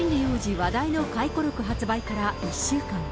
話題の回顧録発売から１週間。